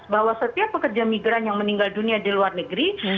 bahwa setiap pekerja migran yang meninggal dunia di luar negeri